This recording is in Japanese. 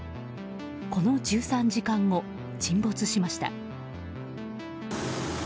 この１３時間後、沈没しました。